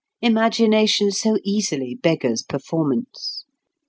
Imagination so easily beggars performance.